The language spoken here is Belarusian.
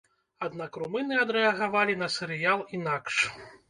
Аднак румыны адрэагавалі на серыял інакш.